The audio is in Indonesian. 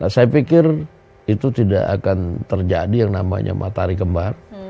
saya pikir itu tidak akan terjadi yang namanya matahari kembar